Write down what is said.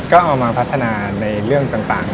ก็เอามาพัฒนาในเรื่องต่าง